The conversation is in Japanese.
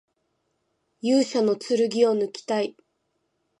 勇者の剣をぬきたい